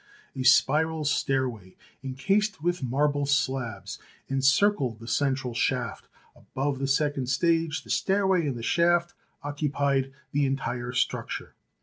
A spiral stairway, encased with marble slabs, encircled the central shaft; above the second stage the stairway and the shaft occu pied the entire structure.